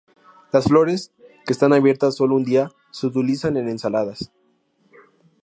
Las flores, que están abiertas sólo un día, se utilizan en ensaladas.